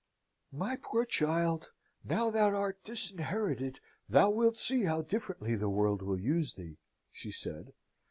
"My poor child, now thou art disinherited, thou wilt see how differently the world will use thee!" she said.